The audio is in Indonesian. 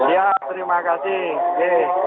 ya terima kasih